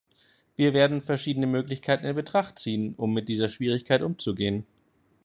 Wir werden verschiedene Möglichkeiten in Betracht ziehen, um mit dieser Schwierigkeit umzugehen.